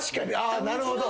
あなるほど。